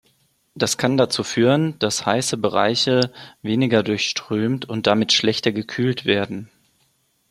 Das kann dazu führen, dass heiße Bereiche weniger durchströmt und damit schlechter gekühlt werden.